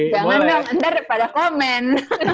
jangan dong ntar pada komen